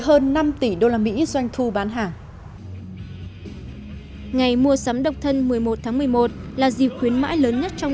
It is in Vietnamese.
hơn năm tỷ usd doanh thu bán hàng ngày mua sắm độc thân một mươi một tháng một mươi một là dịp khuyến mãi lớn nhất trong